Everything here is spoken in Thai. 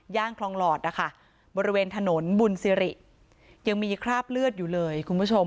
คลองหลอดนะคะบริเวณถนนบุญสิริยังมีคราบเลือดอยู่เลยคุณผู้ชม